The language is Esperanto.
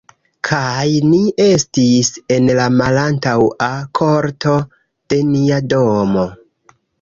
Kaj ni estis en la malantaŭa korto de nia domo.